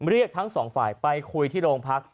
เรียกทั้งสองฝ่ายไปคุยที่โรงพัก